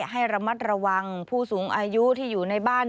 ให้ระมัดระวังผู้สูงอายุที่อยู่ในบ้าน